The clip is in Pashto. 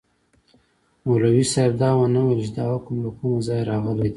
مولوي صاحب دا ونه ویل چي دا حکم له کومه ځایه راغلی دی.